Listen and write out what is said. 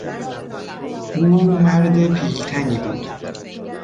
او مرد پیلتنی بود.